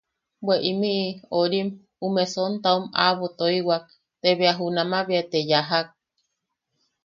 –Bwe imi... orim... ume sontaom aʼabo toiwak, te bea junama be te yajak.